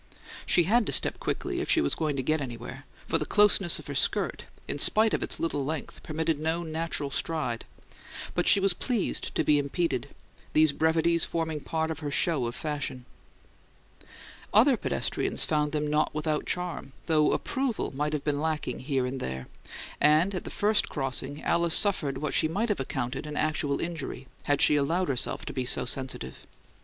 She had to step quickly if she was to get anywhere; for the closeness of her skirt, in spite of its little length, permitted no natural stride; but she was pleased to be impeded, these brevities forming part of her show of fashion. Other pedestrians found them not without charm, though approval may have been lacking here and there, and at the first crossing Alice suffered what she might have accounted an actual injury, had she allowed herself to be so sensitive.